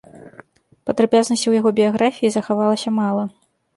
Падрабязнасцяў яго біяграфіі захавалася мала.